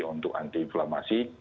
untuk anti inflamasi